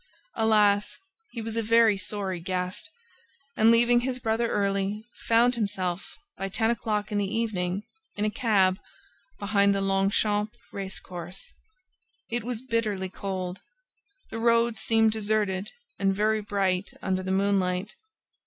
Alas, he was a very sorry guest and, leaving his brother early, found himself, by ten o'clock in the evening, in a cab, behind the Longchamp race course. It was bitterly cold. The road seemed deserted and very bright under the moonlight.